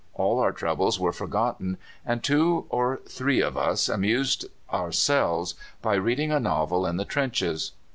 All our troubles were forgotten, and two or three of us amused ourselves by reading a novel in the trenches."